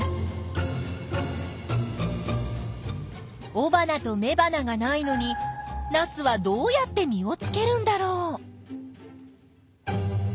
おばなとめばながないのにナスはどうやって実をつけるんだろう？